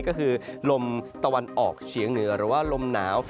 ก็คือลมตะวันออกเฉียงเหนือหรือว่าลมหนาว